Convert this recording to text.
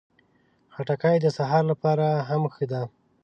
خټکی د سهار لپاره هم ښه ده.